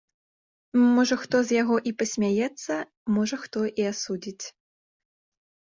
Можа хто з яго і пасмяецца, можа хто і асудзіць.